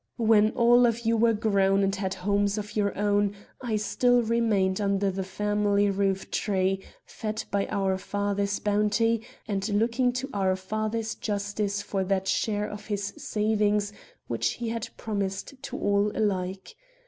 When all of you were grown and had homes of your own, I still remained under the family roof tree, fed by our father's bounty and looking to our father's justice for that share of his savings which he had promised to all alike.